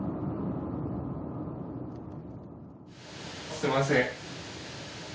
すみません。